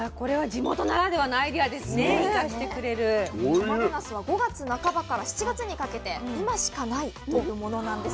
たまげなすは５月半ばから７月にかけて今しかないというものなんです。